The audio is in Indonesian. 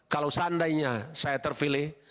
kalau seandainya saya terpilih